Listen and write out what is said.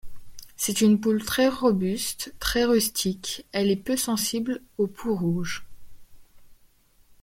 C'est une poule très robuste, très rustique, elle est peu sensible au pou rouge.